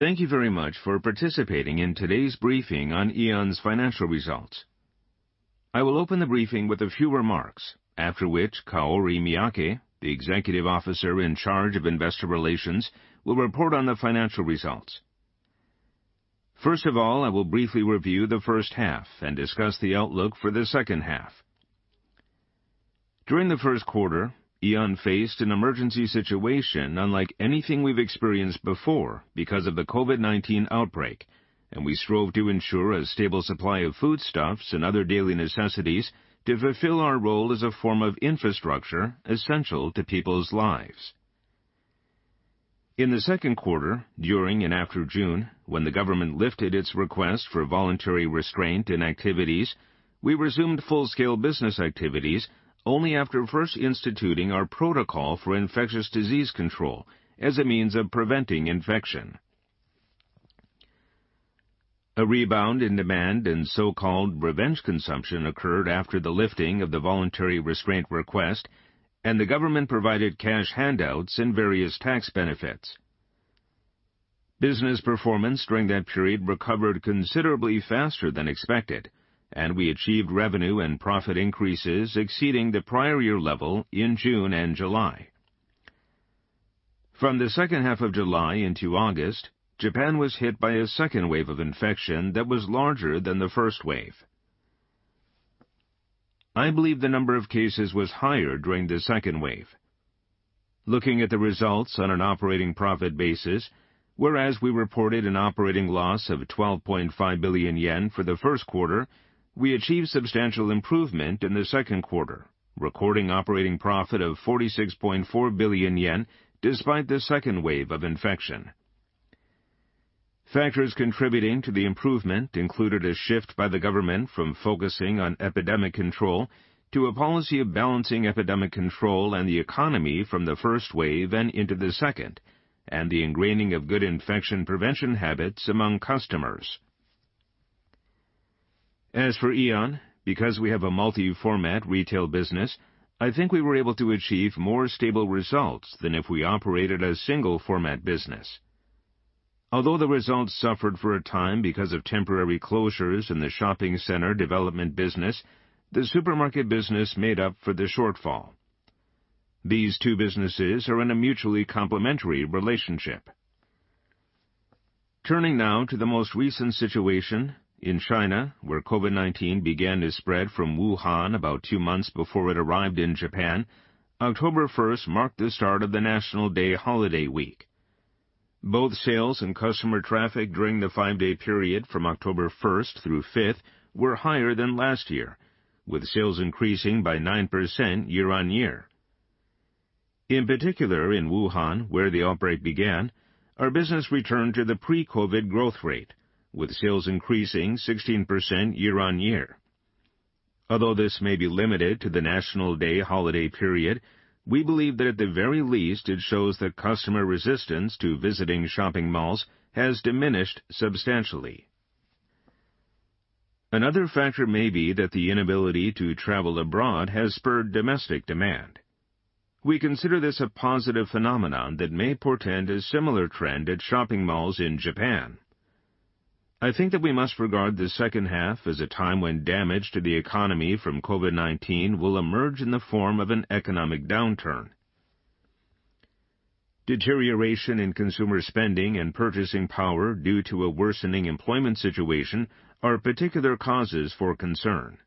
Thank you very much for participating in today's briefing on Aeon's financial results. I will open the briefing with a few remarks, after which Kahori Miyake, the Executive Officer in charge of Investor Relations, will report on the financial results. First of all, I will briefly review the first half and discuss the outlook for the second half. During the first quarter, Aeon faced an emergency situation unlike anything we've experienced before because of the COVID-19 outbreak, and we strove to ensure a stable supply of foodstuffs and other daily necessities to fulfill our role as a form of infrastructure essential to people's lives. In the second quarter, during and after June, when the government lifted its request for voluntary restraint in activities, we resumed full-scale business activities only after first instituting our protocol for infectious disease control as a means of preventing infection. A rebound in demand and so-called revenge consumption occurred after the lifting of the voluntary restraint request, and the government provided cash handouts and various tax benefits. Business performance during that period recovered considerably faster than expected, and we achieved revenue and profit increases exceeding the prior year level in June and July. From the second half of July into August, Japan was hit by a second wave of infection that was larger than the first wave. I believe the number of cases was higher during the second wave. Looking at the results on an operating profit basis, whereas we reported an operating loss of 12.5 billion yen for the first quarter, we achieved substantial improvement in the second quarter, recording operating profit of 46.4 billion yen despite the second wave of infection. Factors contributing to the improvement included a shift by the government from focusing on epidemic control to a policy of balancing epidemic control and the economy from the first wave and into the second, and the ingraining of good infection prevention habits among customers. As for Aeon, because we have a multi-format retail business, I think we were able to achieve more stable results than if we operated a single-format business. Although the results suffered for a time because of temporary closures in the shopping center development business, the supermarket business made up for the shortfall. These two businesses are in a mutually complementary relationship. Turning now to the most recent situation in China, where COVID-19 began to spread from Wuhan about two months before it arrived in Japan, October 1st marked the start of the National Day holiday week. Both sales and customer traffic during the five-day period from October 1st through 5th were higher than last year, with sales increasing by 9% year-on-year. In particular, in Wuhan, where the outbreak began, our business returned to the pre-COVID-19 growth rate, with sales increasing 16% year-on-year. Although this may be limited to the National Day holiday period, we believe that at the very least, it shows that customer resistance to visiting shopping malls has diminished substantially. Another factor may be that the inability to travel abroad has spurred domestic demand. We consider this a positive phenomenon that may portend a similar trend at shopping malls in Japan. I think that we must regard the second half as a time when damage to the economy from COVID-19 will emerge in the form of an economic downturn. Deterioration in consumer spending and purchasing power due to a worsening employment situation are particular causes for concern.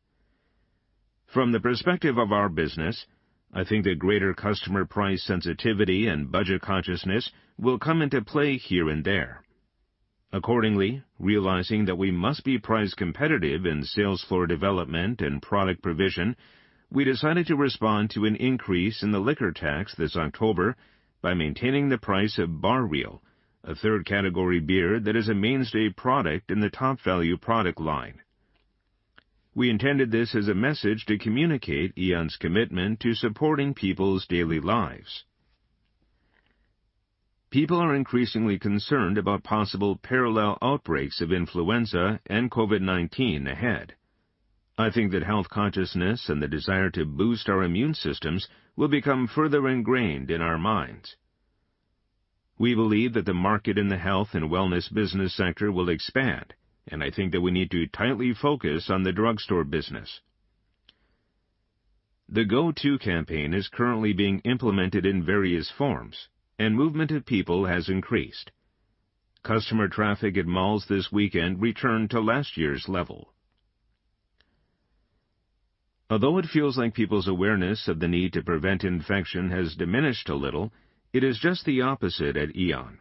From the perspective of our business, I think that greater customer price sensitivity and budget consciousness will come into play here and there. Accordingly, realizing that we must be price competitive in sales floor development and product provision, we decided to respond to an increase in the liquor tax this October by maintaining the price of Barreal, a third-category beer that is a mainstay product in the Topvalu product line. We intended this as a message to communicate Aeon's commitment to supporting people's daily lives. People are increasingly concerned about possible parallel outbreaks of influenza and COVID-19 ahead. I think that health consciousness and the desire to boost our immune systems will become further ingrained in our minds. We believe that the market in the health and wellness business sector will expand, and I think that we need to tightly focus on the drugstore business. The Go To Campaign is currently being implemented in various forms, and movement of people has increased. Customer traffic at malls this weekend returned to last year's level. Although it feels like people's awareness of the need to prevent infection has diminished a little, it is just the opposite at Aeon.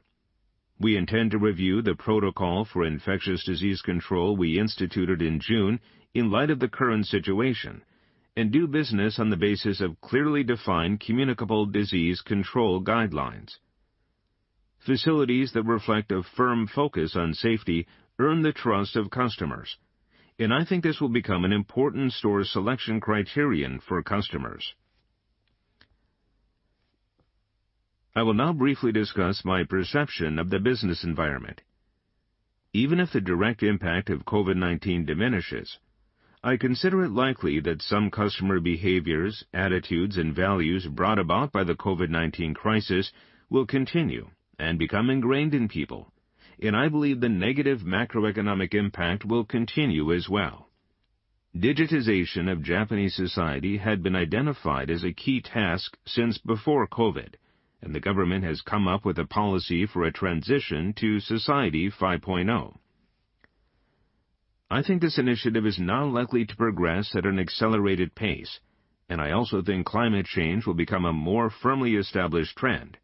We intend to review the protocol for infectious disease control we instituted in June in light of the current situation and do business on the basis of clearly defined communicable disease control guidelines. Facilities that reflect a firm focus on safety earn the trust of customers, and I think this will become an important store selection criterion for customers. I will now briefly discuss my perception of the business environment. Even if the direct impact of COVID-19 diminishes, I consider it likely that some customer behaviors, attitudes, and values brought about by the COVID-19 crisis will continue and become ingrained in people, and I believe the negative macroeconomic impact will continue as well. Digitization of Japanese society had been identified as a key task since before COVID, and the government has come up with a policy for a transition to Society 5.0. I think this initiative is now likely to progress at an accelerated pace, and I also think climate change will become a more firmly established trend.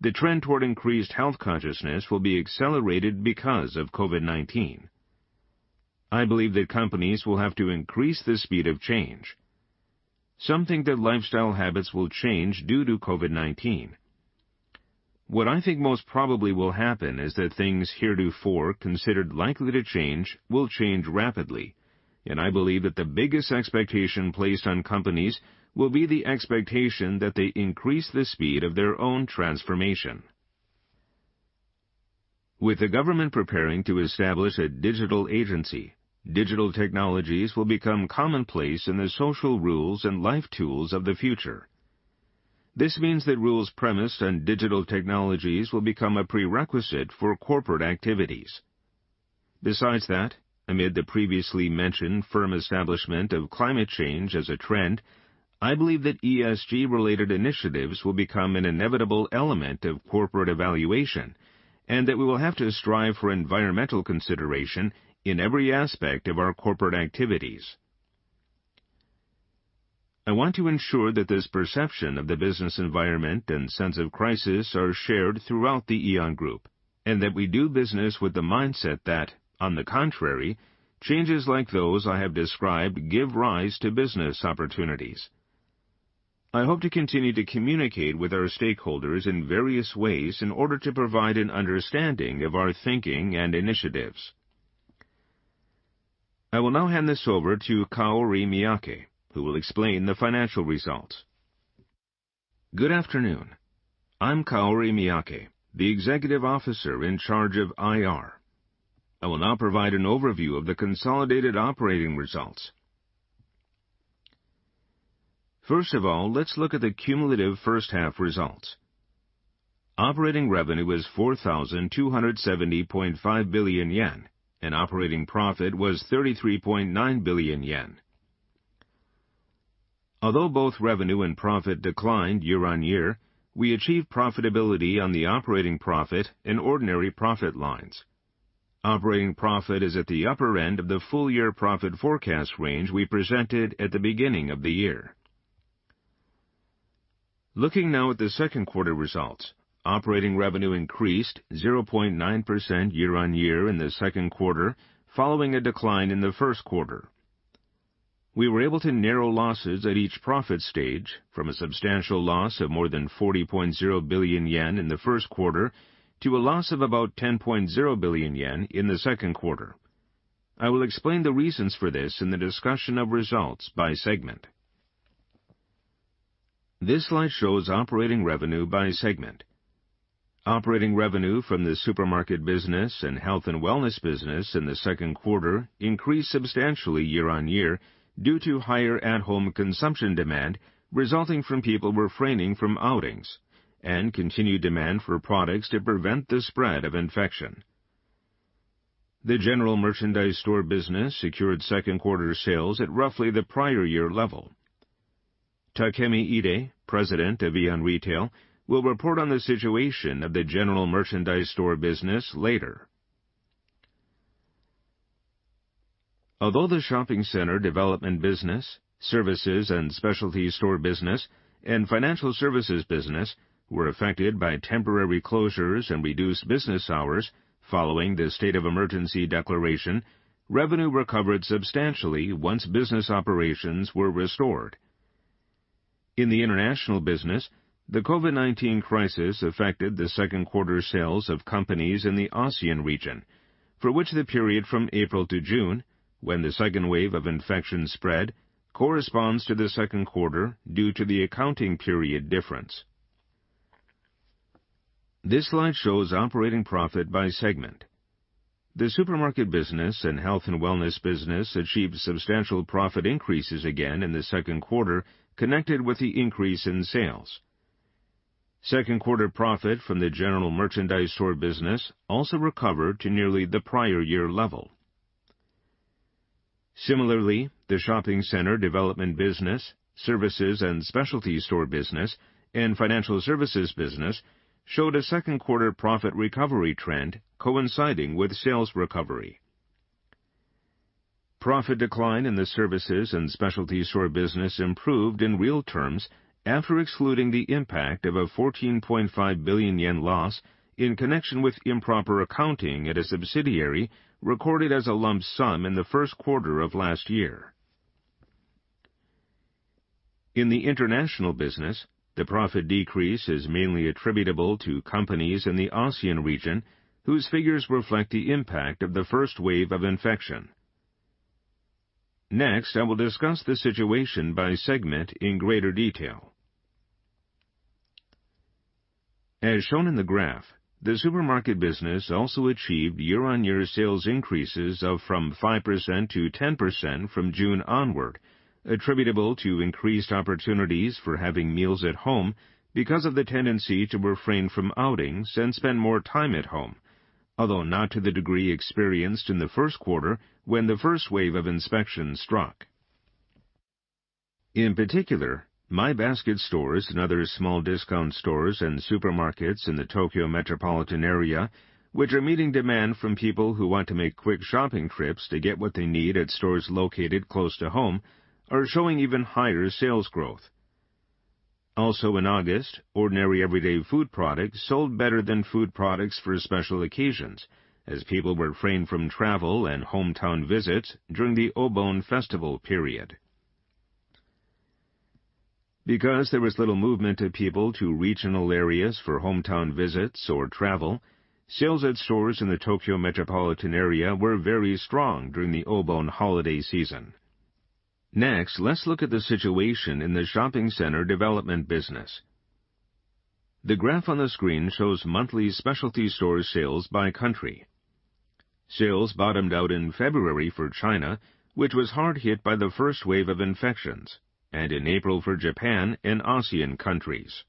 The trend toward increased health consciousness will be accelerated because of COVID-19. I believe that companies will have to increase the speed of change. Some think that lifestyle habits will change due to COVID-19. What I think most probably will happen is that things heretofore considered likely to change will change rapidly, and I believe that the biggest expectation placed on companies will be the expectation that they increase the speed of their own transformation. With the government preparing to establish a Digital Agency, digital technologies will become commonplace in the social rules and life tools of the future. This means that rules premised on digital technologies will become a prerequisite for corporate activities. Besides that, amid the previously mentioned firm establishment of climate change as a trend, I believe that ESG-related initiatives will become an inevitable element of corporate evaluation and that we will have to strive for environmental consideration in every aspect of our corporate activities. I want to ensure that this perception of the business environment and sense of crisis are shared throughout the Aeon Group and that we do business with the mindset that, on the contrary, changes like those I have described give rise to business opportunities. I hope to continue to communicate with our stakeholders in various ways in order to provide an understanding of our thinking and initiatives. I will now hand this over to Kahori Miyake, who will explain the financial results. Good afternoon. I'm Kahori Miyake, the Executive Officer in charge of IR. I will now provide an overview of the consolidated operating results. First of all, let's look at the cumulative first-half results. Operating revenue was 4,270.5 billion yen, and operating profit was 33.9 billion yen. Although both revenue and profit declined year-on-year, we achieved profitability on the operating profit and ordinary profit lines. Operating profit is at the upper end of the full-year profit forecast range we presented at the beginning of the year. Looking now at the second quarter results, operating revenue increased 0.9% year-on-year in Q2 following a decline in Q1. We were able to narrow losses at each profit stage from a substantial loss of more than 40.0 billion yen in Q1 to a loss of about 10.0 billion yen in Q2. I will explain the reasons for this in the discussion of results by segment. This slide shows operating revenue by segment. Operating revenue from the supermarket business and health and wellness business in Q2 increased substantially year-on-year due to higher at-home consumption demand resulting from people refraining from outings and continued demand for products to prevent the spread of infection. The general merchandise store business secured Q2 sales at roughly the prior year level. Takemi Ide, President of Aeon Retail, will report on the situation of the general merchandise store business later. Although the shopping center development business, services and specialty store business, and financial services business were affected by temporary closures and reduced business hours following the state of emergency declaration, revenue recovered substantially once business operations were restored. In the international business, the COVID-19 crisis affected the Q2 sales of companies in the ASEAN region, for which the period from April to June, when the second wave of infections spread, corresponds to the second quarter due to the accounting period difference. This slide shows operating profit by segment. The supermarket business and health and wellness business achieved substantial profit increases again in Q2 connected with the increase in sales. Q2 profit from the general merchandise store business also recovered to nearly the prior year level. Similarly, the shopping center development business, services and specialty store business, and financial services business showed a Q2 profit recovery trend coinciding with sales recovery. Profit decline in the services and specialty store business improved in real terms after excluding the impact of a 14.5 billion yen loss in connection with improper accounting at a subsidiary recorded as a lump sum in Q1 of last year. In the international business, the profit decrease is mainly attributable to companies in the ASEAN region, whose figures reflect the impact of the first wave of infection. Next, I will discuss the situation by segment in greater detail. As shown in the graph, the supermarket business also achieved year-on-year sales increases of 5%-10% from June onward, attributable to increased opportunities for having meals at home because of the tendency to refrain from outings and spend more time at home, although not to the degree experienced in the first quarter when the first wave of infection struck. In particular, My Basket stores and other small discount stores and supermarkets in the Tokyo metropolitan area, which are meeting demand from people who want to make quick shopping trips to get what they need at stores located close to home, are showing even higher sales growth. In August, ordinary everyday food products sold better than food products for special occasions as people refrained from travel and hometown visits during the Obon Festival period. Because there was little movement of people to regional areas for hometown visits or travel, sales at stores in the Tokyo metropolitan area were very strong during the Obon holiday season. Next, let's look at the situation in the shopping center development business. The graph on the screen shows monthly specialty store sales by country. Sales bottomed out in February for China, which was hard hit by the first wave of infections, and in April for Japan and ASEAN countries.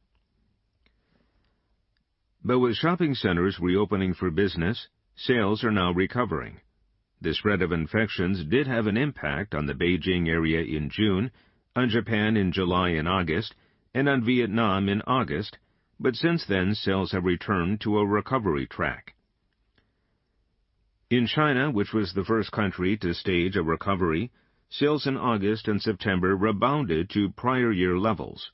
With shopping centers reopening for business, sales are now recovering. The spread of infections did have an impact on the Beijing area in June, on Japan in July and August, and on Vietnam in August, but since then, sales have returned to a recovery track. In China, which was the first country to stage a recovery, sales in August and September rebounded to prior year levels.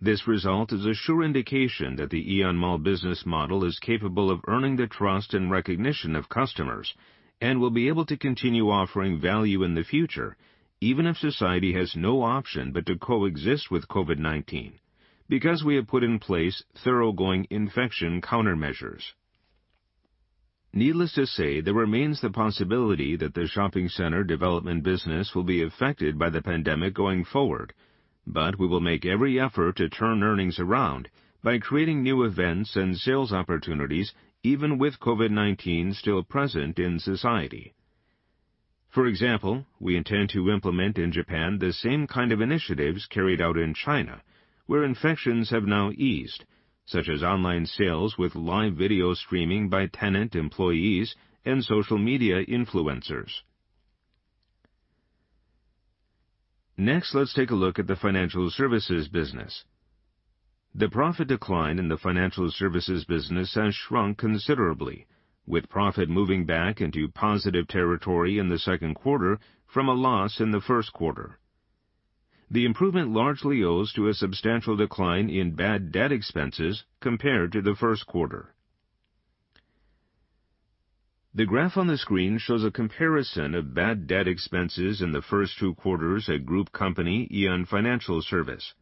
This result is a sure indication that the Aeon Mall business model is capable of earning the trust and recognition of customers and will be able to continue offering value in the future even if society has no option but to coexist with COVID-19 because we have put in place thoroughgoing infection countermeasures. Needless to say, there remains the possibility that the shopping center development business will be affected by the pandemic going forward, but we will make every effort to turn earnings around by creating new events and sales opportunities even with COVID-19 still present in society. For example, we intend to implement in Japan the same kind of initiatives carried out in China, where infections have now eased, such as online sales with live video streaming by tenant employees and social media influencers. Next, let's take a look at the financial services business. The profit decline in the financial services business has shrunk considerably, with profit moving back into positive territory in the second quarter from a loss in the first quarter. The improvement largely owes to a substantial decline in bad debt expenses compared to the first quarter. The graph on the screen shows a comparison of bad debt expenses in the first two quarters at group company Aeon Financial Service.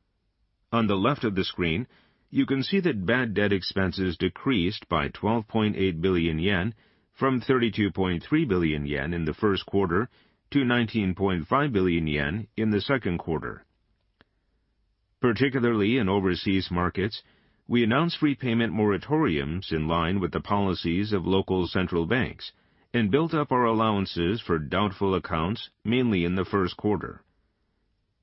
On the left of the screen, you can see that bad debt expenses decreased by 12.8 billion yen from 32.3 billion yen in the first quarter to 19.5 billion yen in the second quarter. Particularly in overseas markets, we announced repayment moratoriums in line with the policies of local central banks and built up our allowances for doubtful accounts mainly in the first quarter.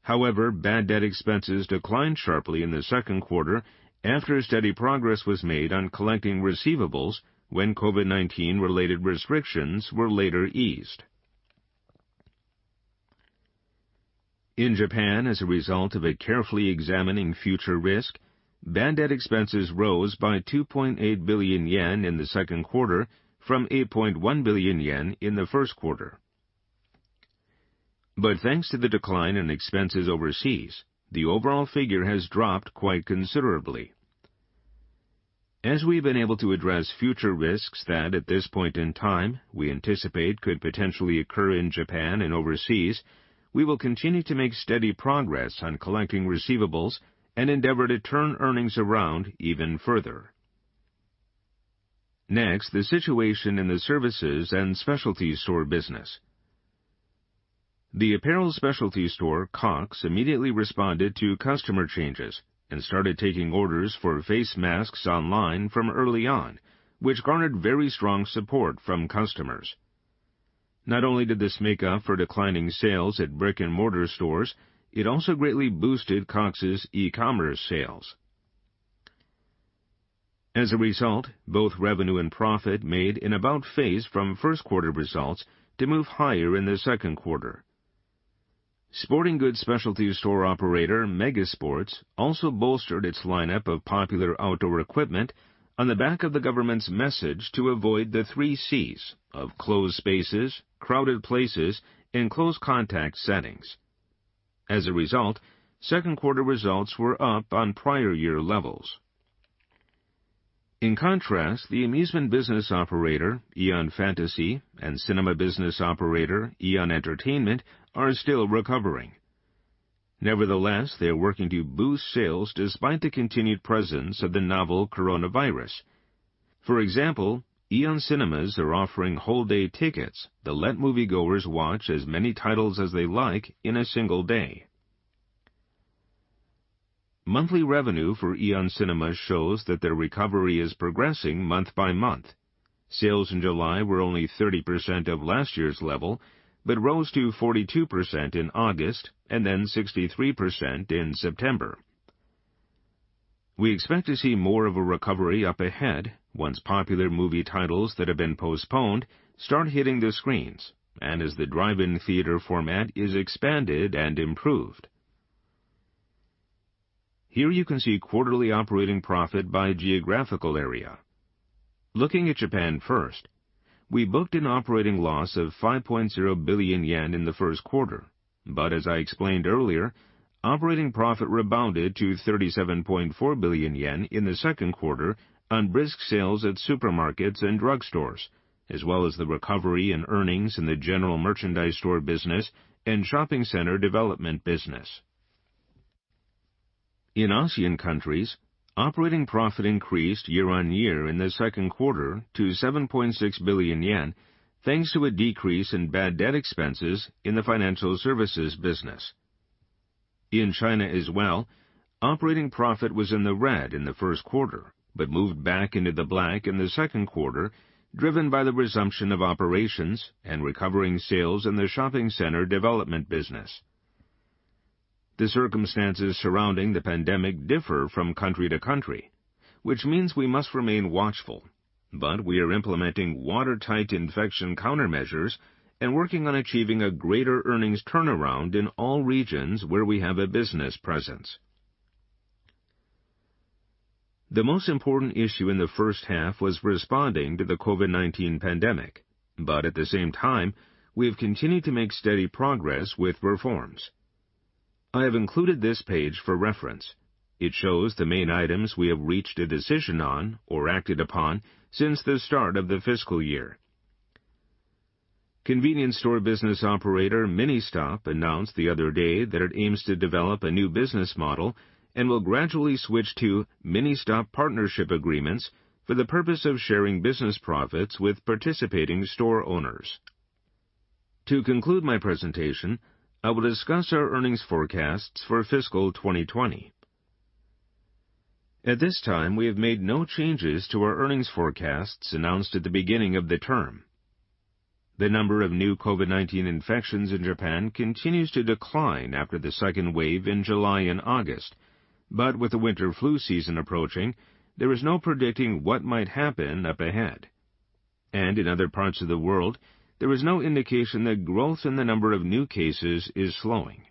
Bad debt expenses declined sharply in the second quarter after steady progress was made on collecting receivables when COVID-19-related restrictions were later eased. In Japan, as a result of carefully examining future risk, bad debt expenses rose by 2.8 billion yen in second quarter from 8.1 billion yen in first quarter. Thanks to the decline in expenses overseas, the overall figure has dropped quite considerably. As we've been able to address future risks that at this point in time we anticipate could potentially occur in Japan and overseas, we will continue to make steady progress on collecting receivables and endeavor to turn earnings around even further. Next, the situation in the services and specialty store business. The apparel specialty store, Cox, immediately responded to customer changes and started taking orders for face masks online from early on, which garnered very strong support from customers. Not only did this make up for declining sales at brick-and-mortar stores, it also greatly boosted Cox's e-commerce sales. As a result, both revenue and profit made an about-face from Q1 results to move higher in second quarter. Sporting goods specialty store operator Mega Sports also bolstered its lineup of popular outdoor equipment on the back of the government's message to avoid the three Cs of closed spaces, crowded places, and close-contact settings. As a result, Q2 results were up on prior year levels. In contrast, the amusement business operator, Aeon Fantasy, and cinema business operator, Aeon Entertainment, are still recovering. Nevertheless, they are working to boost sales despite the continued presence of the novel coronavirus. For example, Aeon Cinemas are offering whole-day tickets that let moviegoers watch as many titles as they like in a single day. Monthly revenue for Aeon Cinemas shows that their recovery is progressing month by month. Sales in July were only 30% of last year's level, but rose to 42% in August and then 63% in September. We expect to see more of a recovery up ahead once popular movie titles that have been postponed start hitting the screens, and as the drive-in theater format is expanded and improved. Here you can see quarterly operating profit by geographical area. Looking at Japan first, we booked an operating loss of 5.0 billion yen in the first quarter. As I explained earlier, operating profit rebounded to 37.4 billion yen in the second quarter on brisk sales at supermarkets and drugstores, as well as the recovery in earnings in the general merchandise store business and shopping center development business. In ASEAN countries, operating profit increased year-on-year in the second quarter to 7.6 billion yen, thanks to a decrease in bad debt expenses in the financial services business. In China as well, operating profit was in the red in the first quarter, but moved back into the black in the second quarter, driven by the resumption of operations and recovering sales in the shopping center development business. The circumstances surrounding the pandemic differ from country to country, which means we must remain watchful. We are implementing watertight infection countermeasures and working on achieving a greater earnings turnaround in all regions where we have a business presence. The most important issue in the first half was responding to the COVID-19 pandemic. At the same time, we have continued to make steady progress with reforms. I have included this page for reference. It shows the main items we have reached a decision on or acted upon since the start of the fiscal year. Convenience store business operator MINISTOP announced the other day that it aims to develop a new business model and will gradually switch to MINISTOP partnership agreements for the purpose of sharing business profits with participating store owners. To conclude my presentation, I will discuss our earnings forecasts for fiscal 2020. At this time, we have made no changes to our earnings forecasts announced at the beginning of the term. The number of new COVID-19 infections in Japan continues to decline after the second wave in July and August. With the winter flu season approaching, there is no predicting what might happen up ahead. In other parts of the world, there is no indication that growth in the number of new cases is slowing.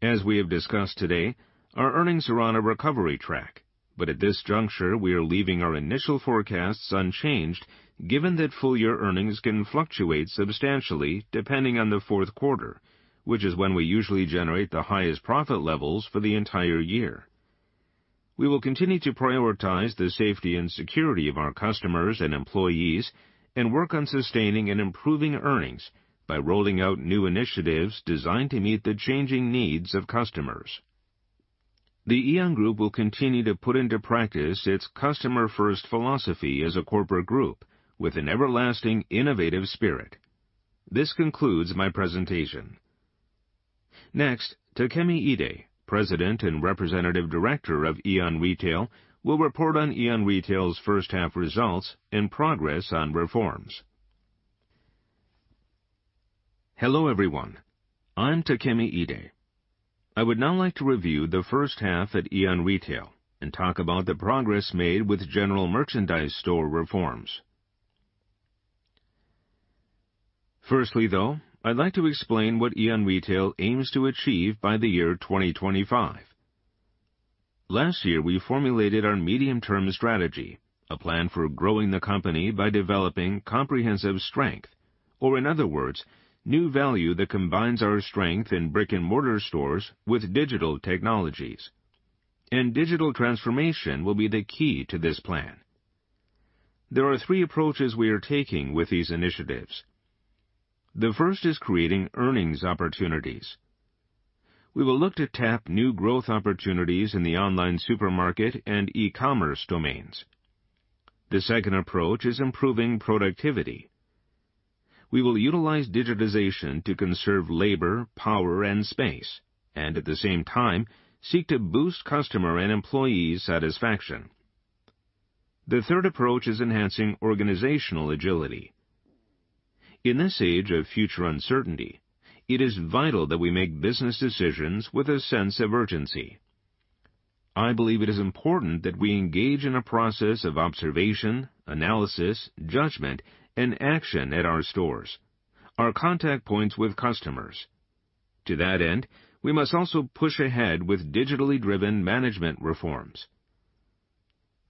As we have discussed today, our earnings are on a recovery track. At this juncture, we are leaving our initial forecasts unchanged, given that full-year earnings can fluctuate substantially depending on the fourth quarter, which is when we usually generate the highest profit levels for the entire year. We will continue to prioritize the safety and security of our customers and employees and work on sustaining and improving earnings by rolling out new initiatives designed to meet the changing needs of customers. The Aeon Group will continue to put into practice its customer-first philosophy as a corporate group with an everlasting, innovative spirit. This concludes my presentation. Next, Takemi Ide, President and Representative Director of Aeon Retail, will report on Aeon Retail's first-half results and progress on reforms. Hello, everyone. I'm Takemi Ide. I would now like to review the first half at Aeon Retail and talk about the progress made with general merchandise store reforms. Firstly, though, I'd like to explain what Aeon Retail aims to achieve by the year 2025. Last year, we formulated our medium-term strategy, a plan for growing the company by developing comprehensive strength, or in other words, new value that combines our strength in brick-and-mortar stores with digital technologies. Digital transformation will be the key to this plan. There are three approaches we are taking with these initiatives. The first is creating earnings opportunities. We will look to tap new growth opportunities in the online supermarket and e-commerce domains. The second approach is improving productivity. We will utilize digitization to conserve labor, power, and space, and at the same time, seek to boost customer and employee satisfaction. The third approach is enhancing organizational agility. In this age of future uncertainty, it is vital that we make business decisions with a sense of urgency. I believe it is important that we engage in a process of observation, analysis, judgment, and action at our stores, our contact points with customers. To that end, we must also push ahead with digitally driven management reforms.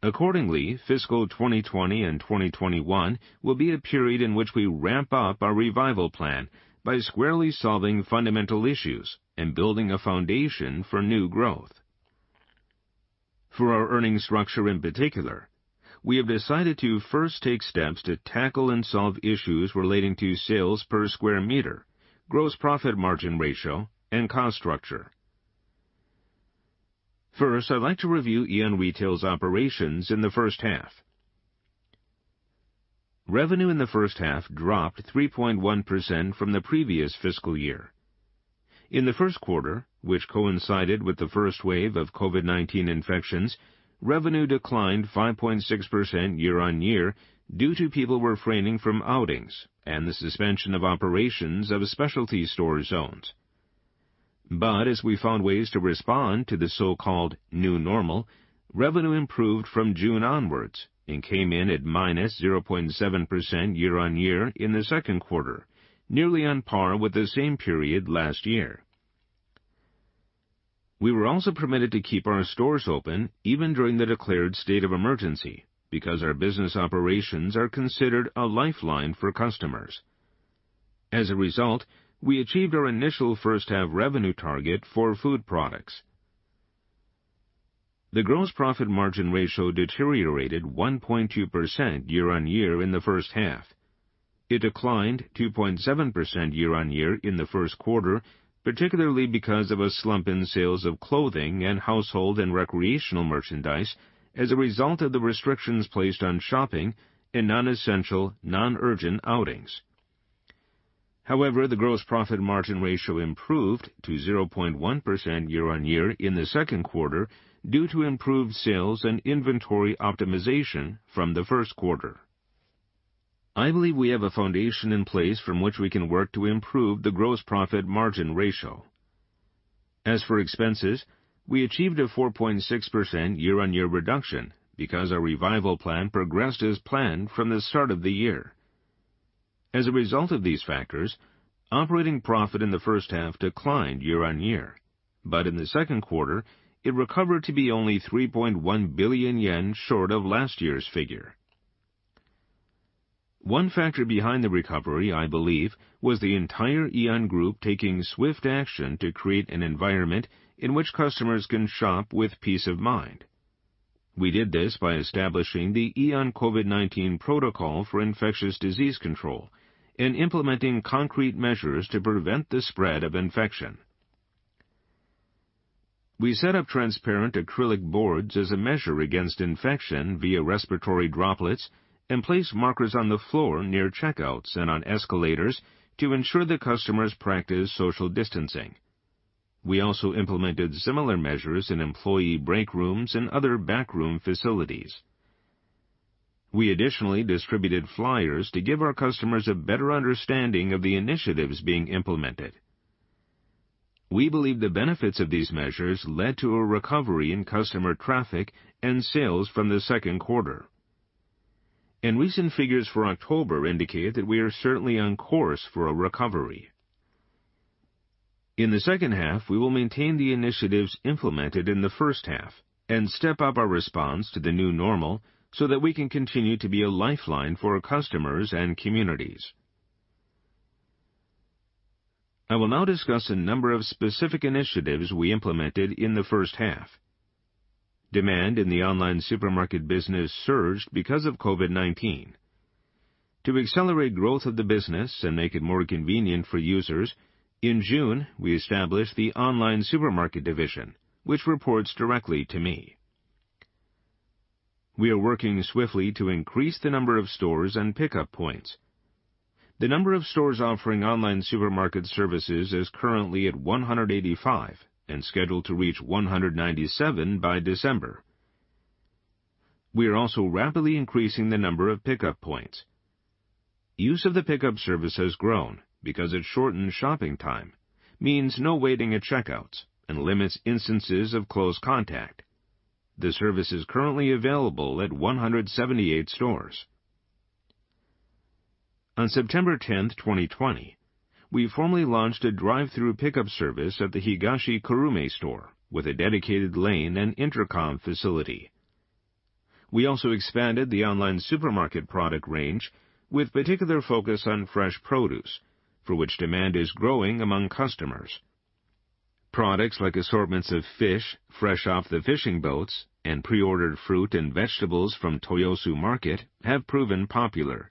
Accordingly, fiscal 2020 and 2021 will be a period in which we ramp up our revival plan by squarely solving fundamental issues and building a foundation for new growth. For our earnings structure in particular, we have decided to first take steps to tackle and solve issues relating to sales per square meter, gross profit margin ratio, and cost structure. First, I'd like to review Aeon Retail's operations in the first half. Revenue in the first half dropped 3.1% from the previous fiscal year. In the first quarter, which coincided with the first wave of COVID-19 infections, revenue declined 5.6% year-on-year due to people refraining from outings and the suspension of operations of specialty stores owned. As we found ways to respond to the so-called new normal, revenue improved from June onwards and came in at -0.7% year-on-year in the second quarter, nearly on par with the same period last year. We were also permitted to keep our stores open even during the declared state of emergency because our business operations are considered a lifeline for customers. As a result, we achieved our initial first-half revenue target for food products. The gross profit margin ratio deteriorated 1.2% year-on-year in the first half. It declined 2.7% year-on-year in the first quarter, particularly because of a slump in sales of clothing and household and recreational merchandise as a result of the restrictions placed on shopping and non-essential, non-urgent outings. However, the gross profit margin ratio improved to 0.1% year-on-year in the second quarter due to improved sales and inventory optimization from the first quarter. I believe we have a foundation in place from which we can work to improve the gross profit margin ratio. As for expenses, we achieved a 4.6% year-on-year reduction because our revival plan progressed as planned from the start of the year. As a result of these factors, operating profit in the first half declined year-on-year. In the second quarter, it recovered to be only 3.1 billion yen short of last year's figure. One factor behind the recovery, I believe, was the entire Aeon Group taking swift action to create an environment in which customers can shop with peace of mind. We did this by establishing the Aeon COVID-19 protocol for infectious disease control and implementing concrete measures to prevent the spread of infection. We set up transparent acrylic boards as a measure against infection via respiratory droplets and placed markers on the floor near checkouts and on escalators to ensure that customers practice social distancing. We also implemented similar measures in employee break rooms and other backroom facilities. We additionally distributed flyers to give our customers a better understanding of the initiatives being implemented. We believe the benefits of these measures led to a recovery in customer traffic and sales from the second quarter. Recent figures for October indicate that we are certainly on course for a recovery. In the second half, we will maintain the initiatives implemented in the first half and step up our response to the new normal so that we can continue to be a lifeline for our customers and communities. I will now discuss a number of specific initiatives we implemented in the first half. Demand in the online supermarket business surged because of COVID-19. To accelerate growth of the business and make it more convenient for users, in June, we established the online supermarket division, which reports directly to me. We are working swiftly to increase the number of stores and pickup points. The number of stores offering online supermarket services is currently at 185 and scheduled to reach 197 by December. We are also rapidly increasing the number of pickup points. Use of the pickup service has grown because it shortens shopping time, means no waiting at checkouts, and limits instances of close contact. The service is currently available at 178 stores. On September 10, 2020, we formally launched a drive-through pickup service at the Higashikurume store with a dedicated lane and intercom facility. We also expanded the online supermarket product range with particular focus on fresh produce, for which demand is growing among customers. Products like assortments of fish fresh off the fishing boats and pre-ordered fruit and vegetables from Toyosu Market have proven popular.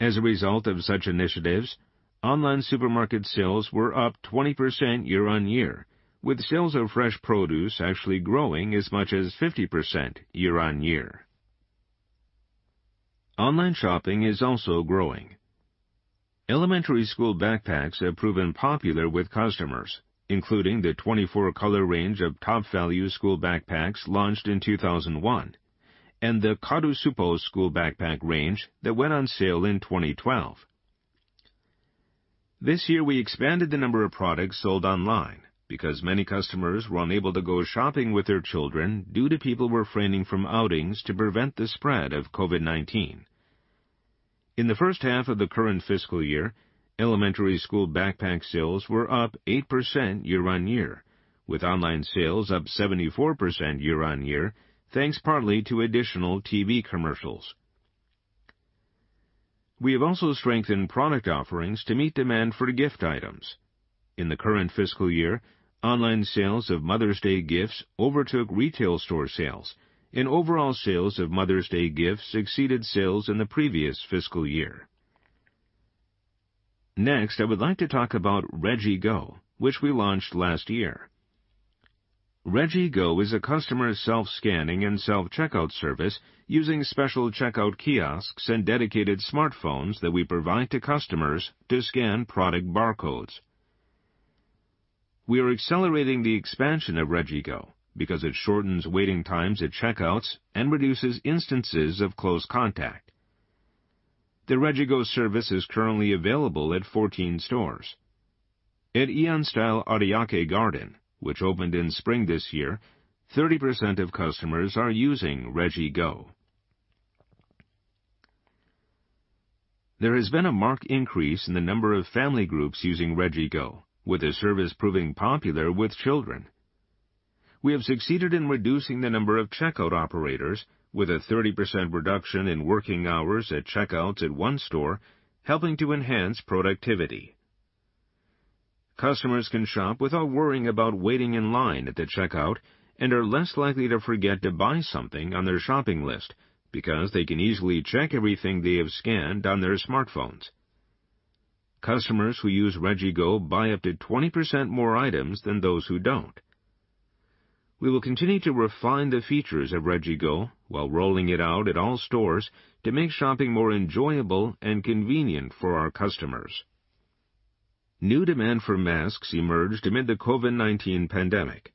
As a result of such initiatives, online supermarket sales were up 20% year-on-year, with sales of fresh produce actually growing as much as 50% year-on-year. Online shopping is also growing. Elementary school backpacks have proven popular with customers, including the 24-color range of Topvalu school backpacks launched in 2001 and the Karusupo school backpack range that went on sale in 2012. This year, we expanded the number of products sold online because many customers were unable to go shopping with their children due to people refraining from outings to prevent the spread of COVID-19. In the first half of the current fiscal year, elementary school backpack sales were up 8% year-on-year, with online sales up 74% year-on-year, thanks partly to additional TV commercials. We have also strengthened product offerings to meet demand for gift items. In the current fiscal year, online sales of Mother's Day gifts overtook retail store sales, and overall sales of Mother's Day gifts exceeded sales in the previous fiscal year. Next, I would like to talk about RegiGo, which we launched last year. RegiGo is a customer self-scanning and self-checkout service using special checkout kiosks and dedicated smartphones that we provide to customers to scan product barcodes. We are accelerating the expansion of RegiGo because it shortens waiting times at checkouts and reduces instances of close contact. The RegiGo service is currently available at 14 stores. At Aeon Style Ariake Garden, which opened in spring this year, 30% of customers are using RegiGo. There has been a marked increase in the number of family groups using RegiGo, with the service proving popular with children. We have succeeded in reducing the number of checkout operators with a 30% reduction in working hours at checkouts at one store, helping to enhance productivity. Customers can shop without worrying about waiting in line at the checkout and are less likely to forget to buy something on their shopping list because they can easily check everything they have scanned on their smartphones. Customers who use RegiGo buy up to 20% more items than those who don't. We will continue to refine the features of RegiGo while rolling it out at all stores to make shopping more enjoyable and convenient for our customers. New demand for masks emerged amid the COVID-19 pandemic.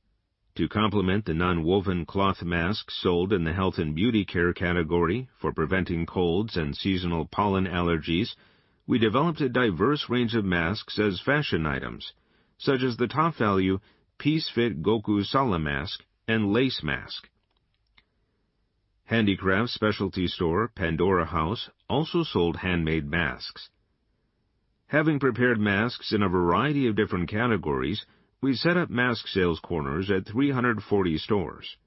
To complement the non-woven cloth masks sold in the health and beauty care category for preventing colds and seasonal pollen allergies, we developed a diverse range of masks as fashion items, such as the Topvalu Peace Fit Gokusara Mask and Lace Mask. Handicraft specialty store, Pandora House, also sold handmade masks. Having prepared masks in a variety of different categories, we set up mask sales corners at 340 stores.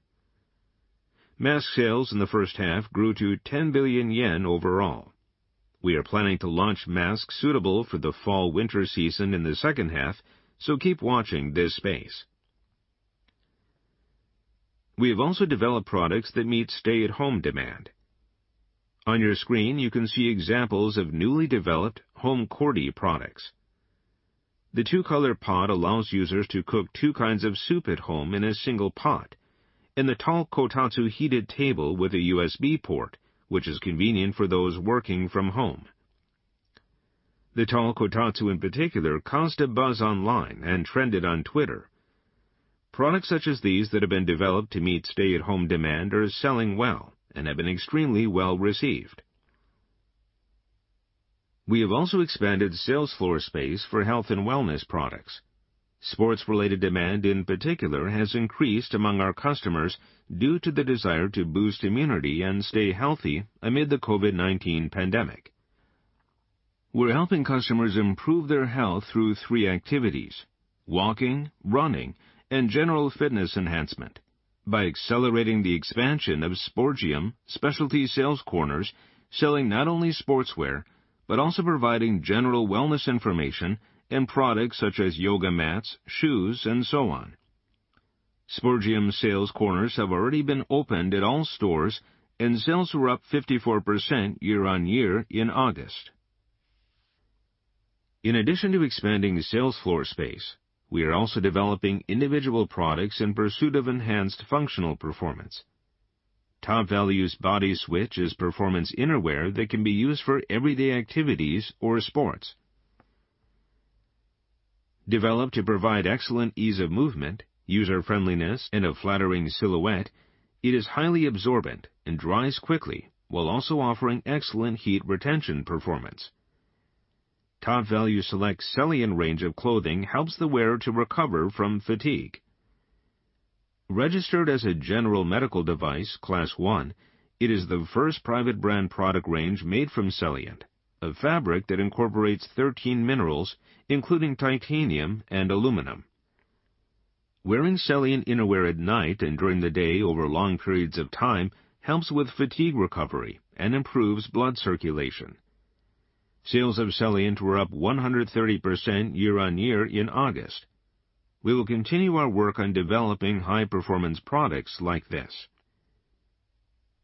Mask sales in the first half grew to 10 billion yen overall. We are planning to launch masks suitable for the fall/winter season in the second half, so keep watching this space. We have also developed products that meet stay-at-home demand. On your screen, you can see examples of newly developed HOME COORDY products. The Two-Color Pot allows users to cook two kinds of soup at home in a single pot, and the Tall Kotatsu Heated Table with a USB port, which is convenient for those working from home. The Tall Kotatsu, in particular, caused a buzz online and trended on Twitter. Products such as these that have been developed to meet stay-at-home demand are selling well and have been extremely well-received. We have also expanded sales floor space for health and wellness products. Sports-related demand, in particular, has increased among our customers due to the desire to boost immunity and stay healthy amid the COVID-19 pandemic. We're helping customers improve their health through three activities: walking, running, and general fitness enhancement by accelerating the expansion of Sportium specialty sales corners, selling not only sportswear, but also providing general wellness information and products such as yoga mats, shoes, and so on. Sportium sales corners have already been opened at all stores, and sales were up 54% year-on-year in August. We are also developing individual products in pursuit of enhanced functional performance. Topvalu's BODY SWITCH is performance innerwear that can be used for everyday activities or sports. Developed to provide excellent ease of movement, user-friendliness, and a flattering silhouette, it is highly absorbent and dries quickly while also offering excellent heat retention performance. Topvalu Select Celliant range of clothing helps the wearer to recover from fatigue. Registered as a general medical device Class 1, it is the first private brand product range made from Celliant, a fabric that incorporates 13 minerals, including titanium and aluminum. Wearing Celliant innerwear at night and during the day over long periods of time helps with fatigue recovery and improves blood circulation. Sales of Celliant were up 130% year on year in August. We will continue our work on developing high-performance products like this.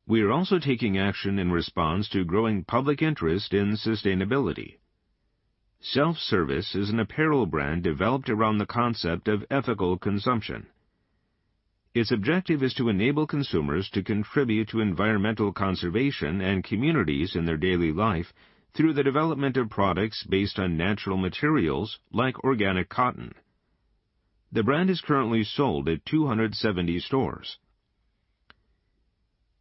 We are also taking action in response to growing public interest in sustainability. SELF+SERVICE is an apparel brand developed around the concept of ethical consumption. Its objective is to enable consumers to contribute to environmental conservation and communities in their daily life through the development of products based on natural materials like organic cotton. The brand is currently sold at 270 stores.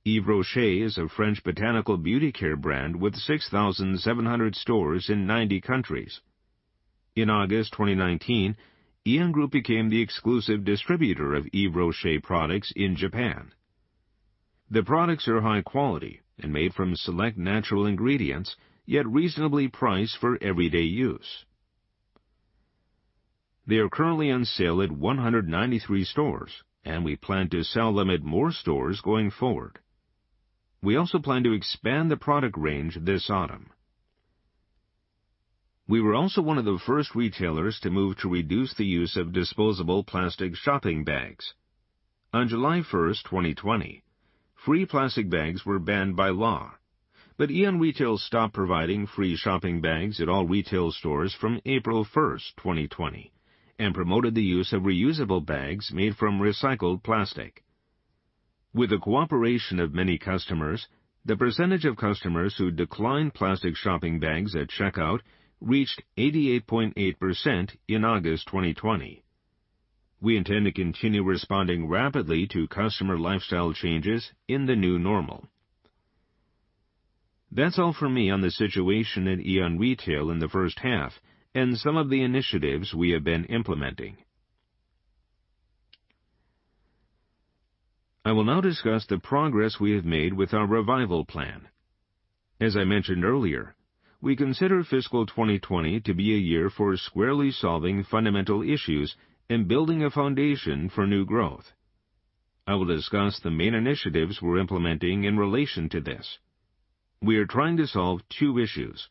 Yves Rocher is a French botanical beauty care brand with 6,700 stores in 90 countries. In August 2019, Aeon Group became the exclusive distributor of Yves Rocher products in Japan. The products are high quality and made from select natural ingredients, yet reasonably priced for everyday use. They are currently on sale at 193 stores, and we plan to sell them at more stores going forward. We also plan to expand the product range this autumn. We were also one of the first retailers to move to reduce the use of disposable plastic shopping bags. On July 1st, 2020, free plastic bags were banned by law, but Aeon Retail stopped providing free shopping bags at all retail stores from April 1st, 2020, and promoted the use of reusable bags made from recycled plastic. With the cooperation of many customers, the percentage of customers who decline plastic shopping bags at checkout reached 88.8% in August 2020. We intend to continue responding rapidly to customer lifestyle changes in the new normal. That's all from me on the situation at Aeon Retail in the first half and some of the initiatives we have been implementing. I will now discuss the progress we have made with our revival plan. As I mentioned earlier, we consider fiscal 2020 to be a year for squarely solving fundamental issues and building a foundation for new growth. I will discuss the main initiatives we're implementing in relation to this. We are trying to solve two issues.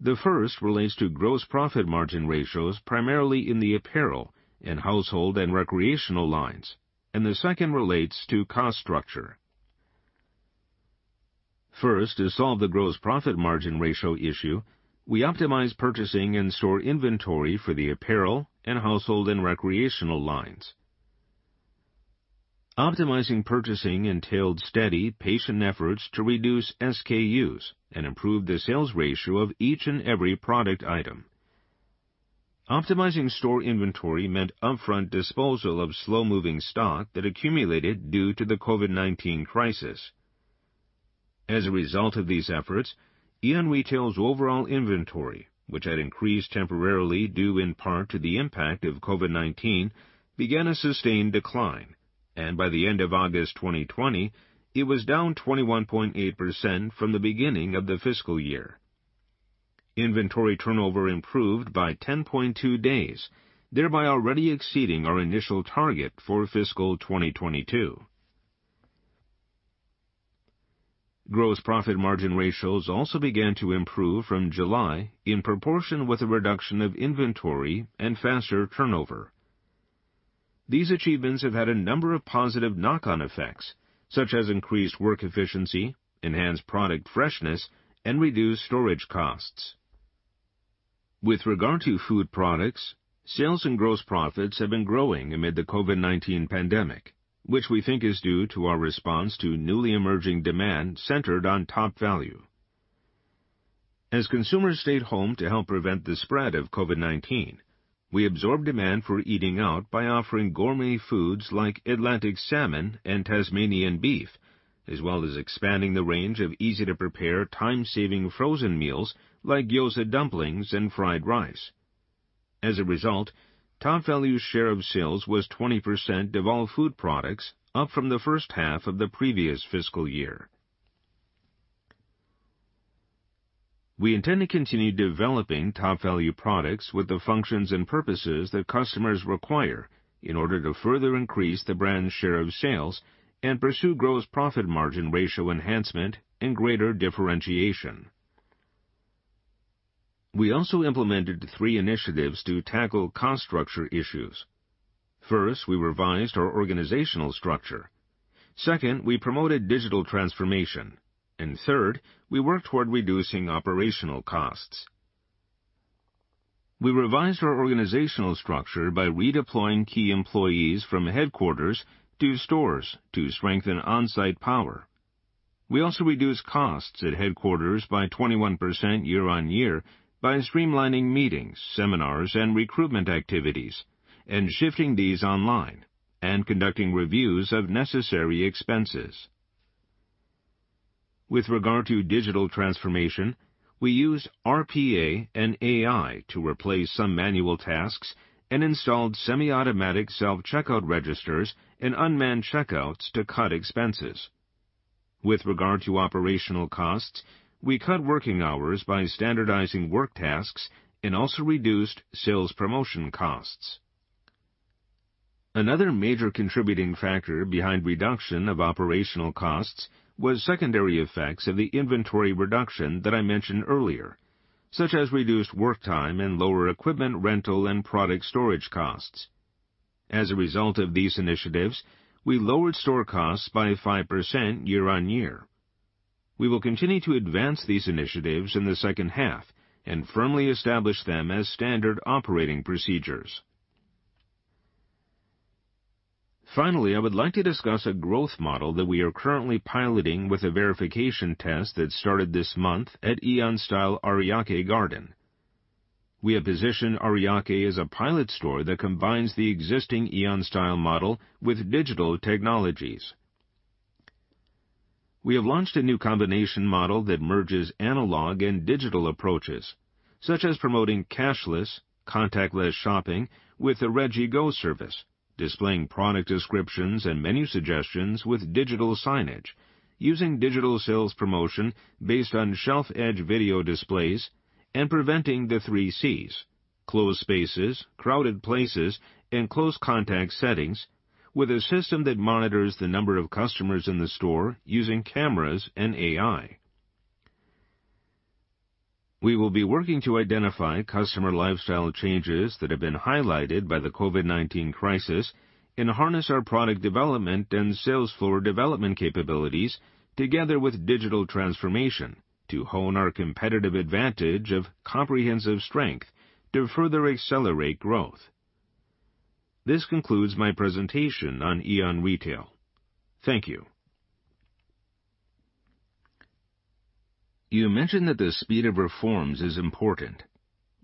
The first relates to gross profit margin ratios primarily in the apparel and household and recreational lines, and the second relates to cost structure. First, to solve the gross profit margin ratio issue, we optimize purchasing and store inventory for the apparel and household and recreational lines. Optimizing purchasing entailed steady, patient efforts to reduce SKUs and improve the sales ratio of each and every product item. Optimizing store inventory meant upfront disposal of slow-moving stock that accumulated due to the COVID-19 crisis. As a result of these efforts, Aeon Retail's overall inventory, which had increased temporarily due in part to the impact of COVID-19, began a sustained decline. By the end of August 2020, it was down 21.8% from the beginning of the fiscal year. Inventory turnover improved by 10.2 days, thereby already exceeding our initial target for fiscal 2022. Gross profit margin ratios also began to improve from July in proportion with the reduction of inventory and faster turnover. These achievements have had a number of positive knock-on effects, such as increased work efficiency, enhanced product freshness, and reduced storage costs. With regard to food products, sales and gross profits have been growing amid the COVID-19 pandemic, which we think is due to our response to newly emerging demand centered on Topvalu. As consumers stayed home to help prevent the spread of COVID-19, we absorbed demand for eating out by offering gourmet foods like Atlantic salmon and Tasmanian beef, as well as expanding the range of easy-to-prepare, time-saving frozen meals like gyoza dumplings and fried rice. As a result, Topvalu share of sales was 20% of all food products, up from the first half of the previous fiscal year. We intend to continue developing Topvalu products with the functions and purposes that customers require in order to further increase the brand's share of sales and pursue gross profit margin ratio enhancement and greater differentiation. We also implemented three initiatives to tackle cost structure issues. First, we revised our organizational structure. Second, we promoted digital transformation. Third, we worked toward reducing operational costs. We revised our organizational structure by redeploying key employees from headquarters to stores to strengthen on-site power. We also reduced costs at headquarters by 21% year-on-year by streamlining meetings, seminars, and recruitment activities, and shifting these online and conducting reviews of necessary expenses. With regard to digital transformation, we used RPA and AI to replace some manual tasks and installed semi-automatic self-checkout registers and unmanned checkouts to cut expenses. With regard to operational costs, we cut working hours by standardizing work tasks and also reduced sales promotion costs. Another major contributing factor behind reduction of operational costs was secondary effects of the inventory reduction that I mentioned earlier, such as reduced work time and lower equipment rental and product storage costs. As a result of these initiatives, we lowered store costs by 5% year-on-year. We will continue to advance these initiatives in the second half and firmly establish them as standard operating procedures. Finally, I would like to discuss a growth model that we are currently piloting with a verification test that started this month at Aeon Style Ariake Garden. We have positioned Ariake as a pilot store that combines the existing Aeon Style model with digital technologies. We have launched a new combination model that merges analog and digital approaches, such as promoting cashless, contactless shopping with the RegiGo service, displaying product descriptions and menu suggestions with digital signage, using digital sales promotion based on shelf-edge video displays, and preventing the three Cs: closed spaces, crowded places, and close-contact settings, with a system that monitors the number of customers in the store using cameras and AI. We will be working to identify customer lifestyle changes that have been highlighted by the COVID-19 crisis and harness our product development and sales floor development capabilities together with digital transformation to hone our competitive advantage of comprehensive strength to further accelerate growth. This concludes my presentation on Aeon Retail. Thank you. You mentioned that the speed of reforms is important.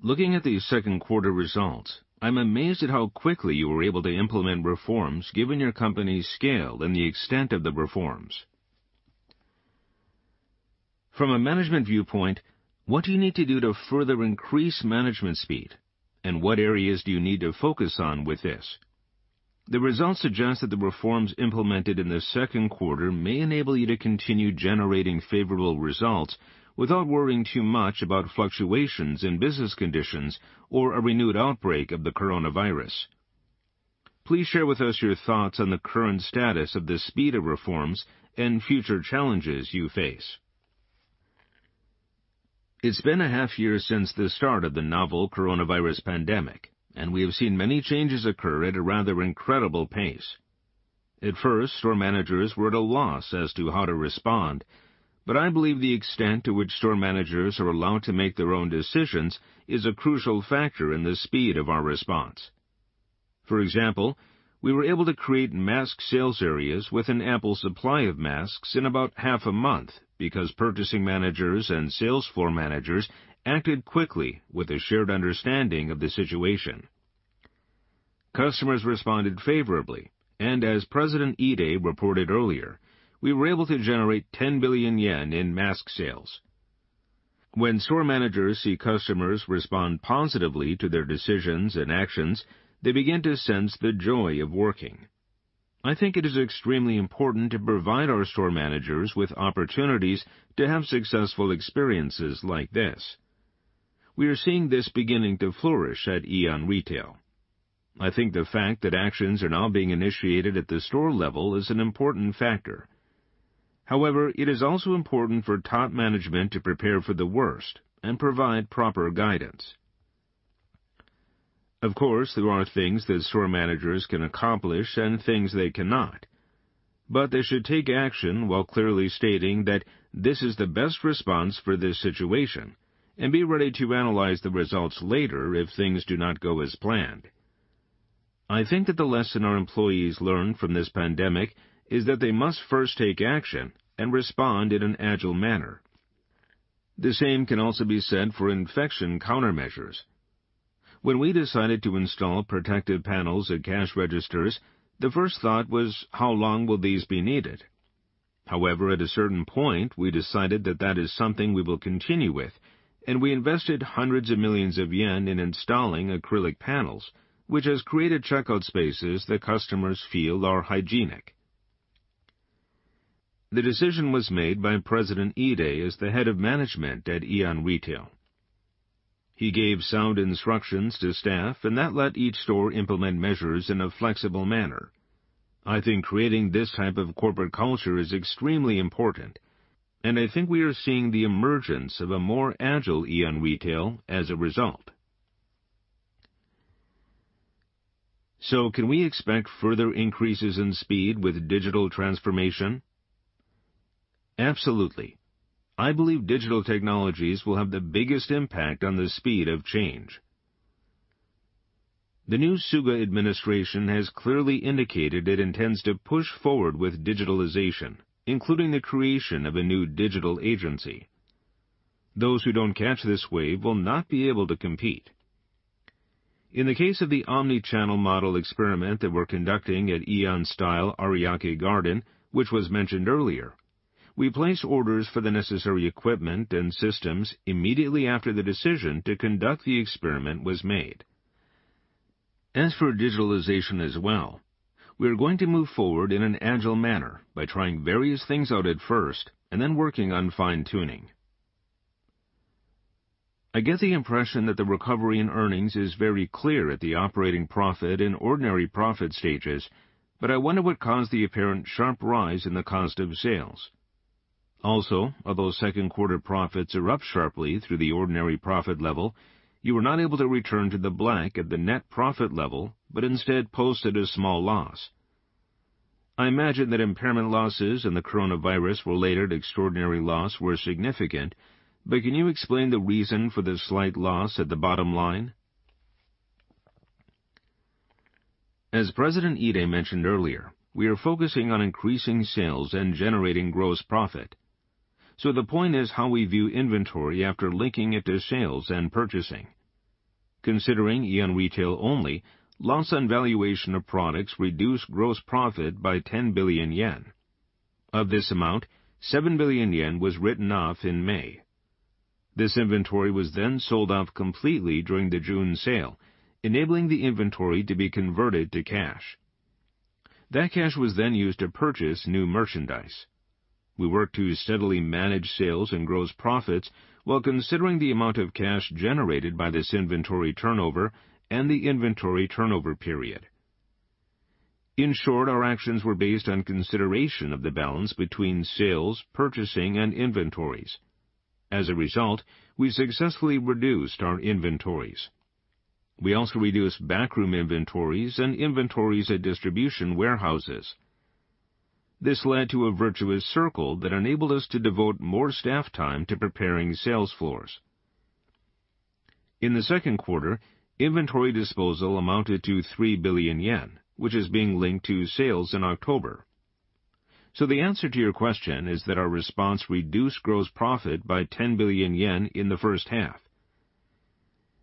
Looking at these second quarter results, I'm amazed at how quickly you were able to implement reforms given your company's scale and the extent of the reforms. From a management viewpoint, what do you need to do to further increase management speed, and what areas do you need to focus on with this? The results suggest that the reforms implemented in the second quarter may enable you to continue generating favorable results without worrying too much about fluctuations in business conditions or a renewed outbreak of the coronavirus. Please share with us your thoughts on the current status of the speed of reforms and future challenges you face. It's been a half year since the start of the novel coronavirus pandemic, and we have seen many changes occur at a rather incredible pace. At first, store managers were at a loss as to how to respond, but I believe the extent to which store managers are allowed to make their own decisions is a crucial factor in the speed of our response. For example, we were able to create mask sales areas with an ample supply of masks in about half a month because purchasing managers and sales floor managers acted quickly with a shared understanding of the situation. Customers responded favorably, and as President Ide reported earlier, we were able to generate 10 billion yen in mask sales. When store managers see customers respond positively to their decisions and actions, they begin to sense the joy of working. I think it is extremely important to provide our store managers with opportunities to have successful experiences like this. We are seeing this beginning to flourish at Aeon Retail. I think the fact that actions are now being initiated at the store level is an important factor. However, it is also important for top management to prepare for the worst and provide proper guidance. Of course, there are things that store managers can accomplish and things they cannot, but they should take action while clearly stating that this is the best response for this situation and be ready to analyze the results later if things do not go as planned. I think that the lesson our employees learned from this pandemic is that they must first take action and respond in an agile manner. The same can also be said for infection countermeasures. When we decided to install protective panels at cash registers, the first thought was how long will these be needed? At a certain point, we decided that that is something we will continue with, and we invested hundreds of millions of yen in installing acrylic panels, which has created checkout spaces that customers feel are hygienic. The decision was made by President Ide as the head of management at Aeon Retail. He gave sound instructions to staff, and that let each store implement measures in a flexible manner. I think creating this type of corporate culture is extremely important, and I think we are seeing the emergence of a more agile Aeon Retail as a result. Can we expect further increases in speed with digital transformation? Absolutely. I believe digital technologies will have the biggest impact on the speed of change. The new Suga administration has clearly indicated it intends to push forward with digitalization, including the creation of a new digital agency. Those who don't catch this wave will not be able to compete. In the case of the omni-channel model experiment that we're conducting at Aeon Style Ariake Garden, which was mentioned earlier, we placed orders for the necessary equipment and systems immediately after the decision to conduct the experiment was made. As for digitalization as well, we are going to move forward in an agile manner by trying various things out at first and then working on fine-tuning. I get the impression that the recovery in earnings is very clear at the operating profit and ordinary profit stages, but I wonder what caused the apparent sharp rise in the cost of sales. Although second quarter profits are up sharply through the ordinary profit level, you were not able to return to the black at the net profit level, but instead posted a small loss. I imagine that impairment losses and the COVID-19-related extraordinary loss were significant, but can you explain the reason for the slight loss at the bottom line? As President Ide mentioned earlier, we are focusing on increasing sales and generating gross profit. The point is how we view inventory after linking it to sales and purchasing. Considering Aeon Retail only, loss on valuation of products reduced gross profit by 10 billion yen. Of this amount, 7 billion yen was written off in May. This inventory was then sold off completely during the June sale, enabling the inventory to be converted to cash. That cash was then used to purchase new merchandise. We worked to steadily manage sales and gross profits while considering the amount of cash generated by this inventory turnover and the inventory turnover period. In short, our actions were based on consideration of the balance between sales, purchasing, and inventories. As a result, we successfully reduced our inventories. We also reduced backroom inventories and inventories at distribution warehouses. This led to a virtuous circle that enabled us to devote more staff time to preparing sales floors. In the second quarter, inventory disposal amounted to 3 billion yen, which is being linked to sales in October. The answer to your question is that our response reduced gross profit by 10 billion yen in the first half.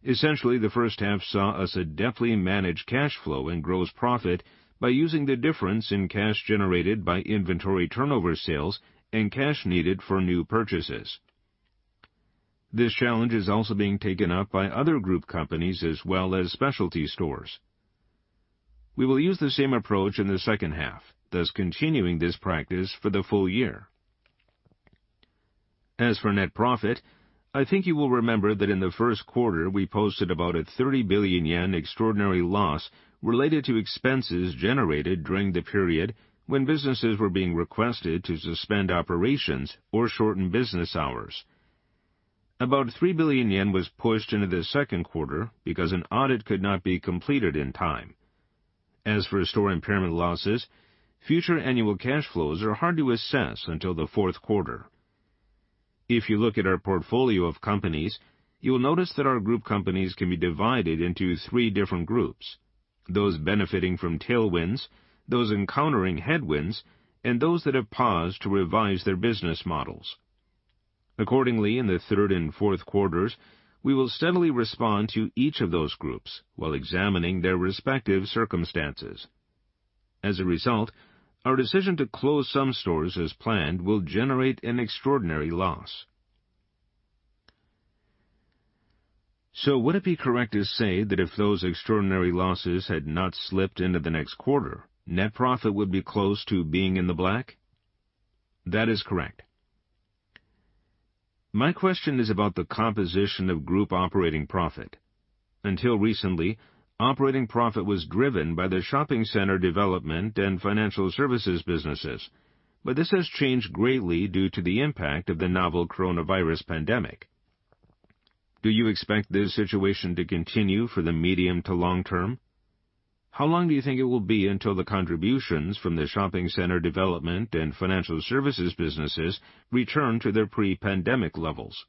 Essentially, the first half saw us adeptly manage cash flow and gross profit by using the difference in cash generated by inventory turnover sales and cash needed for new purchases. This challenge is also being taken up by other group companies as well as specialty stores. We will use the same approach in the second half, thus continuing this practice for the full year. As for net profit, I think you will remember that in the first quarter, we posted about a 30 billion yen extraordinary loss related to expenses generated during the period when businesses were being requested to suspend operations or shorten business hours. About 3 billion yen was pushed into the second quarter because an audit could not be completed in time. As for store impairment losses, future annual cash flows are hard to assess until the fourth quarter. If you look at our portfolio of companies, you will notice that our group companies can be divided into three different groups: those benefiting from tailwinds, those encountering headwinds, and those that have paused to revise their business models. Accordingly, in the third and fourth quarters, we will steadily respond to each of those groups while examining their respective circumstances. As a result, our decision to close some stores as planned will generate an extraordinary loss. Would it be correct to say that if those extraordinary losses had not slipped into the next quarter, net profit would be close to being in the black? That is correct. My question is about the composition of group operating profit. Until recently, operating profit was driven by the shopping center development and financial services businesses, but this has changed greatly due to the impact of the novel coronavirus pandemic. Do you expect this situation to continue for the medium to long term? How long do you think it will be until the contributions from the shopping center development and financial services businesses return to their pre-pandemic levels?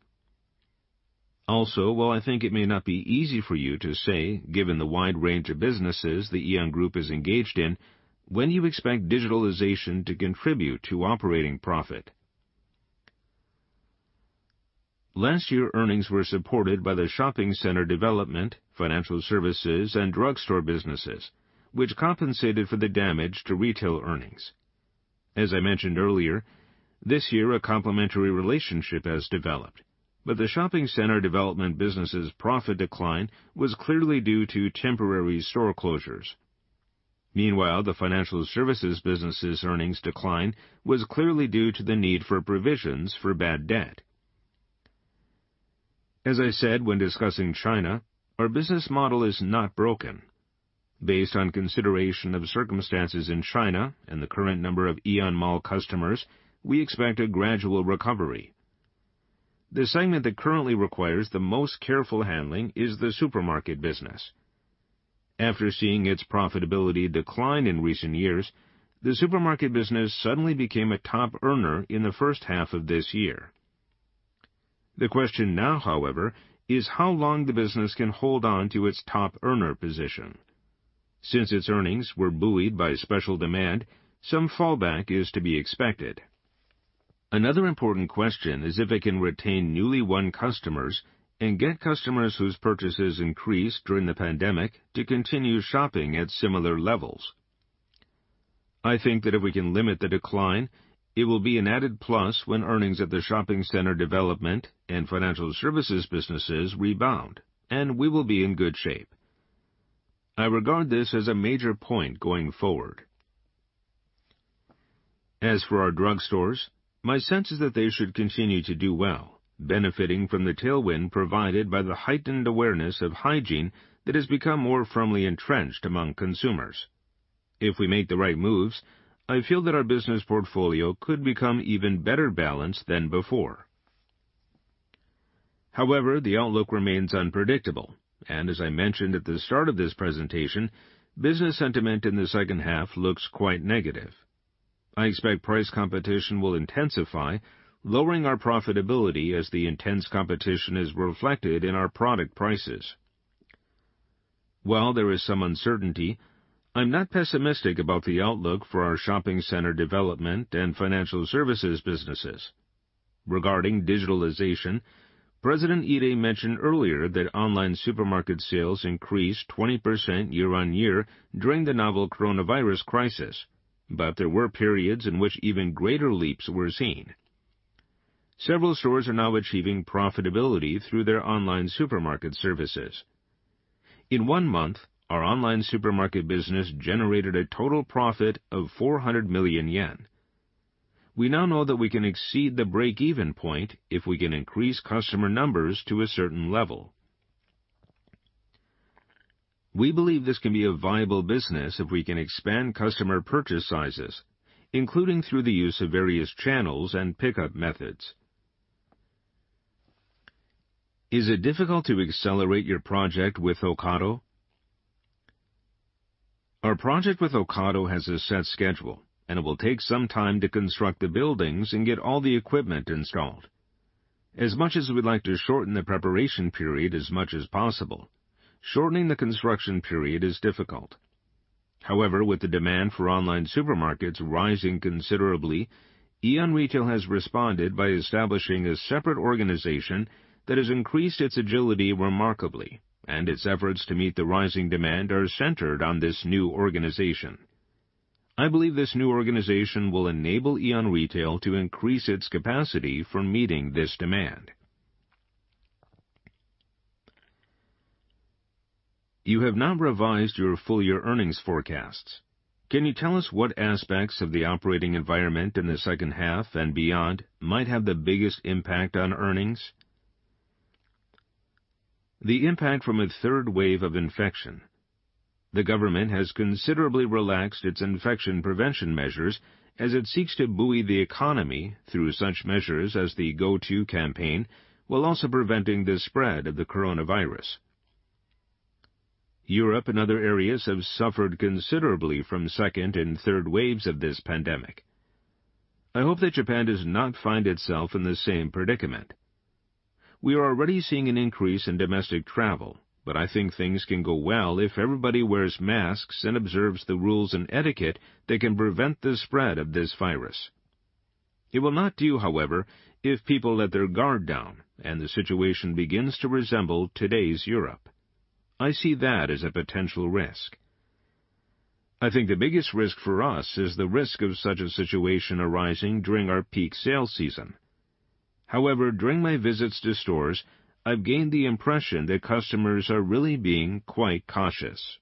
Also, while I think it may not be easy for you to say, given the wide range of businesses the Aeon Group is engaged in, when do you expect digitalization to contribute to operating profit? Last year, earnings were supported by the shopping center development, financial services, and drugstore businesses, which compensated for the damage to retail earnings. As I mentioned earlier, this year a complementary relationship has developed, but the shopping center development business's profit decline was clearly due to temporary store closures. Meanwhile, the financial services business's earnings decline was clearly due to the need for provisions for bad debt. As I said when discussing China, our business model is not broken. Based on consideration of circumstances in China and the current number of Aeon Mall customers, we expect a gradual recovery. The segment that currently requires the most careful handling is the supermarket business. After seeing its profitability decline in recent years, the supermarket business suddenly became a top earner in the first half of this year. The question now, however, is how long the business can hold on to its top earner position. Since its earnings were buoyed by special demand, some fallback is to be expected. Another important question is if it can retain newly won customers and get customers whose purchases increased during the pandemic to continue shopping at similar levels. I think that if we can limit the decline, it will be an added plus when earnings at the shopping center development and financial services businesses rebound, and we will be in good shape. I regard this as a major point going forward. As for our drugstores, my sense is that they should continue to do well, benefiting from the tailwind provided by the heightened awareness of hygiene that has become more firmly entrenched among consumers. If we make the right moves, I feel that our business portfolio could become even better balanced than before. The outlook remains unpredictable, and as I mentioned at the start of this presentation, business sentiment in the second half looks quite negative. I expect price competition will intensify, lowering our profitability as the intense competition is reflected in our product prices. While there is some uncertainty, I'm not pessimistic about the outlook for our shopping center development and financial services businesses. Regarding digitalization, President Ide mentioned earlier that online supermarket sales increased 20% year-on-year during the COVID-19 crisis, but there were periods in which even greater leaps were seen. Several stores are now achieving profitability through their online supermarket services. In one month, our online supermarket business generated a total profit of 400 million yen. We now know that we can exceed the break-even point if we can increase customer numbers to a certain level. We believe this can be a viable business if we can expand customer purchase sizes, including through the use of various channels and pickup methods. Is it difficult to accelerate your project with Ocado? Our project with Ocado has a set schedule, and it will take some time to construct the buildings and get all the equipment installed. As much as we'd like to shorten the preparation period as much as possible, shortening the construction period is difficult. However, with the demand for online supermarkets rising considerably, Aeon Retail has responded by establishing a separate organization that has increased its agility remarkably, and its efforts to meet the rising demand are centered on this new organization. I believe this new organization will enable Aeon Retail to increase its capacity for meeting this demand. You have not revised your full year earnings forecasts. Can you tell us what aspects of the operating environment in the second half and beyond might have the biggest impact on earnings? The impact from a third wave of infection. The government has considerably relaxed its infection prevention measures as it seeks to buoy the economy through such measures as the Go To Campaign, while also preventing the spread of the coronavirus. Europe and other areas have suffered considerably from second and third waves of this pandemic. I hope that Japan does not find itself in the same predicament. We are already seeing an increase in domestic travel, but I think things can go well if everybody wears masks and observes the rules and etiquette that can prevent the spread of this virus. It will not do, however, if people let their guard down and the situation begins to resemble today's Europe. I see that as a potential risk. I think the biggest risk for us is the risk of such a situation arising during our peak sales season. However, during my visits to stores, I've gained the impression that customers are really being quite cautious.